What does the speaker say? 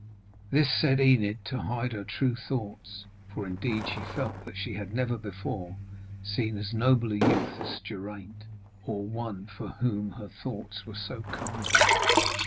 This said Enid to hide her true thoughts; for indeed she felt that she had never before seen as noble a youth as Geraint, or one for whom her thoughts were so kind.